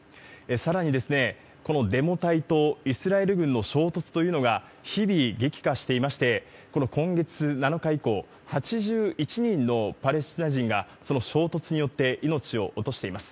さらに、このデモ隊とイスラエル軍の衝突というのが日々激化していまして、今月７日以降、８１人のパレスチナ人が、その衝突によって命を落としています。